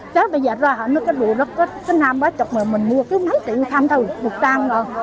chứ bây giờ ra nó có đùa đó cái nam bá chọc mà mình mua cứ mấy triệu thăm thôi một trang rồi